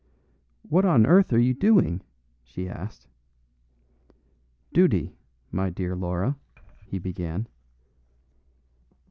"What on earth are you doing?" she asked. "Duty, my dear Laura," he began.